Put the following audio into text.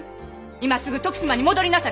今すぐ徳島に戻りなされ！